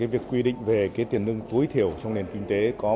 việc quy định về tiền lương tối thiểu trong nền kinh tế có